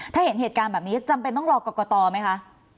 ถ้าเห็นเหตุการณ์แบบนี้จำเป็นต้องรอกรกตไหมคะ